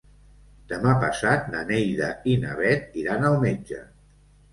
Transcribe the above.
Demà passat na Neida i na Bet iran al metge.